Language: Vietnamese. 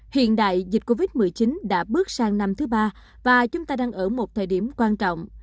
hiện đại dịch covid một mươi chín đã bước sang năm thứ ba và chúng ta đang ở một thời điểm quan trọng